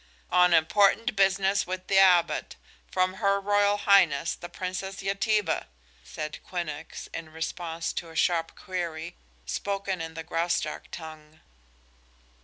"On important business with the Abbot, from Her Royal Highness, the Princess Yetive," said Quinnox, in response to a sharp query, spoken in the Graustark tongue.